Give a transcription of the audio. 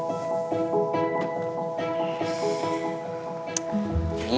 gitu dong keluar